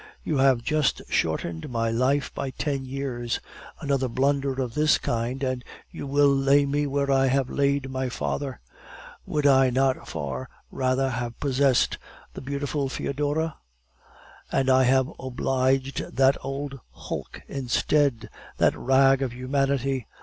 You have just shortened my life by ten years! Another blunder of this kind, and you will lay me where I have laid my father. Would I not far rather have possessed the beautiful Foedora? And I have obliged that old hulk instead that rag of humanity!